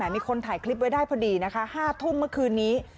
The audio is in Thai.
มีคนถ่ายคลิปไว้ได้พอดีนะคะ๕ทุ่มเมื่อคืนนี้